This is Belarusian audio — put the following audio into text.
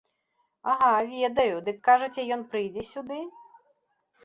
Ага, ведаю, дык, кажаце, ён прыйдзе сюды?